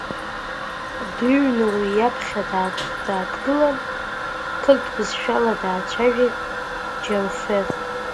Дыҩны уи иаԥхьа дааҭгылан қырҭбызшәала даацәажәеит Џьамфер.